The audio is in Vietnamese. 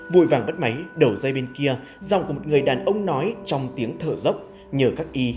vội vàng bắt máy đầu dây bên kia dòng của một người đàn ông nói trong tiếng thở dốc nhờ các y